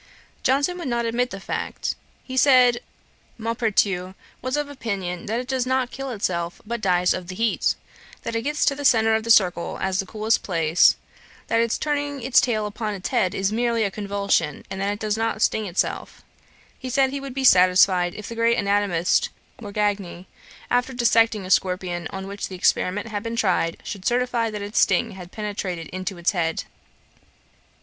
Johnson would not admit the fact. He said, Maupertuis was of opinion that it does not kill itself, but dies of the heat; that it gets to the centre of the circle, as the coolest place; that its turning its tail in upon its head is merely a convulsion, and that it does not sting itself. He said he would be satisfied if the great anatomist Morgagni, after dissecting a scorpion on which the experiment had been tried, should certify that its sting had penetrated into its head.